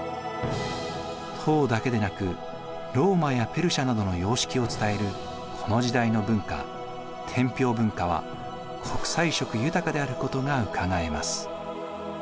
唐だけでなくローマやペルシャなどの様式を伝えるこの時代の文化天平文化は国際色豊かであることがうかがえます。